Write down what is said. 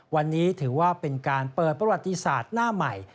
วันนี้ถือว่าเป็นการเปิดประวัติศาสตร์หน้าใหม่